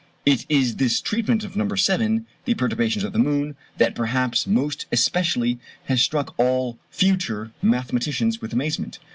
It is his treatment of No. 7, the perturbations of the moon, that perhaps most especially has struck all future mathematicians with amazement.